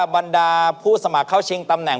บรรดาผู้สมัครเข้าชิงตำแหน่ง